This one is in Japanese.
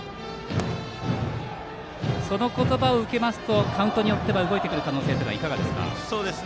その言葉を受けますとカウントによっては動いてくる可能性はいかがですか。